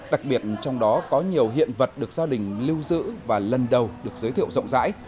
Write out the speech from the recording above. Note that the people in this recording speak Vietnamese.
đặc biệt trong đó có nhiều hiện vật được gia đình lưu giữ và lần đầu được giới thiệu rộng rãi